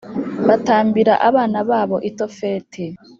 Batambira abana babo i Tofeti